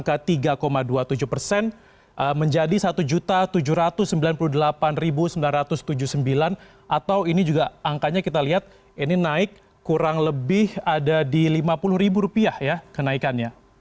angka tiga dua puluh tujuh persen menjadi satu tujuh ratus sembilan puluh delapan sembilan ratus tujuh puluh sembilan atau ini juga angkanya kita lihat ini naik kurang lebih ada di lima puluh ya kenaikannya